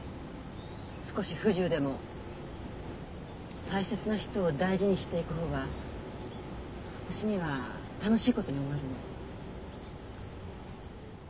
少し不自由でも大切な人を大事にしていく方が私には楽しいことに思えるの。